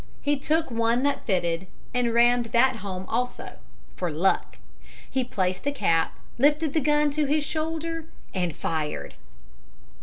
He took one that fitted, and rammed that home also for luck. He placed a cap, lifted the gun to his shoulder, and fired.